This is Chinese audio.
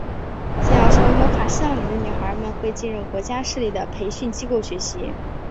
想要成为魔法少女的女孩们会进入国家设立的培训机构学习。